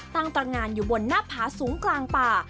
ตั้งตรงานอยู่บนหน้าผาสูงกลางป่า